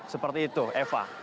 seperti itu eva